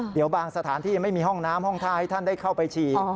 เดี๋ยวบางสถานที่ยังไม่มีห้องน้ำห้องท่าให้ท่านได้เข้าไปฉี่